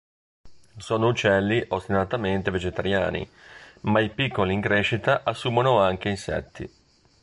Sono uccelli ostinatamente vegetariani, ma i piccoli in crescita assumono anche insetti.